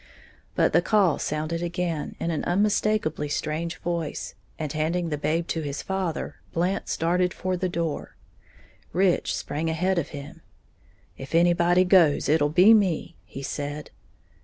But the call sounded again, in an unmistakably strange voice, and, handing the babe to his father, Blant started for the door. Rich sprang ahead of him. "If anybody goes, it'll be me," he said.